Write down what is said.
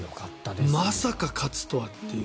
まさか勝つとはという。